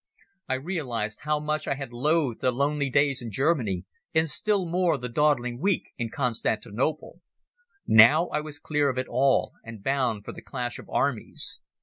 I realized how much I had loathed the lonely days in Germany, and still more the dawdling week in Constantinople. Now I was clear of it all, and bound for the clash of armies.